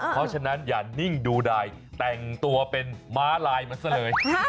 เพราะฉะนั้นอย่านิ่งดูดายแต่งตัวเป็นม้าลายมันซะเลย